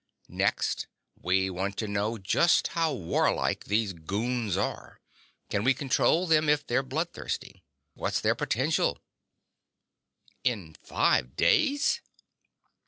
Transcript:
Next, we want to know just how warlike these goons are. Can we control them if they're bloodthirsty. What's their potential?" "In five days?"